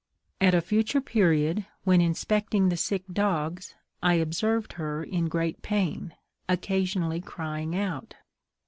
At a future period, when inspecting the sick dogs, I observed her in great pain, occasionally crying out.